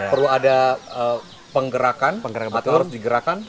perlu ada penggerakan atau harus digerakan